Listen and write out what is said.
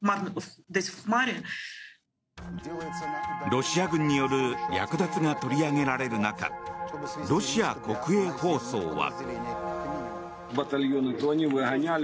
ロシア軍による略奪が取り上げられる中ロシア国営放送は。